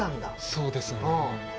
そうですね。